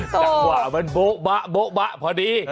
จังหวะมันโบ๊ะบะพอดี